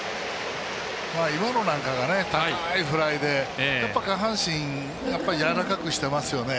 今のなんかが高いフライでやっぱり下半身やわらかくしていますよね。